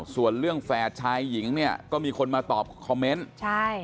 ส่วนเรื่องแฝดชายหญิงเนี่ยก็มีคนมาตอบคอมเมนต์ใช่